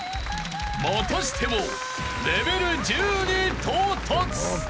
［またしてもレベル１０に到達］